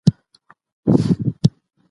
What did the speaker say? نېکمرغي په کور کي وموندل سوه.